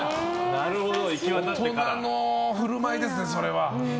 大人の振る舞いですね、それは。